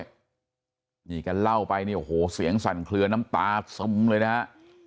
นี่แกเล่าไปเนี่ยโอ้โหเสียงสั่นเคลือน้ำตาซึมเลยนะฮะ